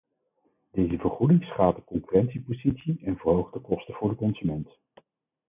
Deze vergoeding schaadt de concurrentiepositie en verhoogt de kosten voor de consument.